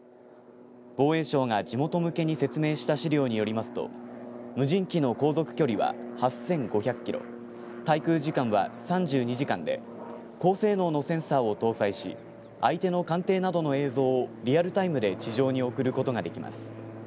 防衛省が地元向けに説明した資料によりますと無人機の航続距離は８５００キロ滞空時間は３２時間で高性能のセンサーを搭載し相手の艦艇などの映像をリアルタイムで地上に送ることができます。